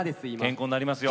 健康になりますよ。